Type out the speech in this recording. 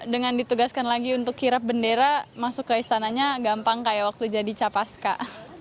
dengan ditugaskan lagi untuk kirap bendera masuk ke istananya gampang kayak waktu jadi capaska